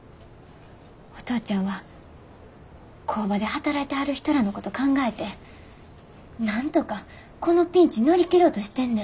お父ちゃんは工場で働いてはる人らのこと考えてなんとかこのピンチ乗り切ろうとしてんねん。